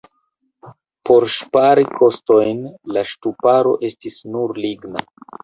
Por ŝpari kostojn la ŝtuparo estis nur ligna.